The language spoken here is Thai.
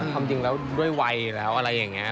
ความจริงแล้วด้วยวัยแล้วอะไรอย่างนี้